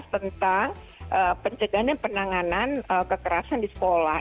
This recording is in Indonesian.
tentang pencegahan dan penanganan kekerasan di sekolah